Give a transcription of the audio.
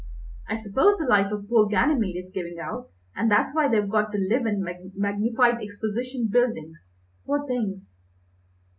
I suppose the life of poor Ganymede is giving out, and that's why they've got to live in magnified exposition buildings, poor things!"